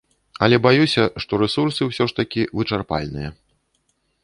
Але баюся, што рэсурсы ўсё ж такі вычарпальныя.